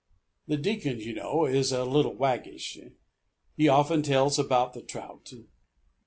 The Deacon, you know, is a little waggish. He often tells about that trout.